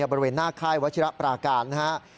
บริเวณหน้าค่ายวัชิระปราการนะครับ